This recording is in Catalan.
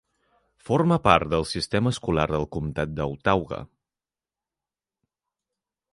Forma part del sistema escolar del comtat d'Autauga.